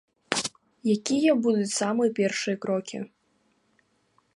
Якія будуць самыя першыя крокі?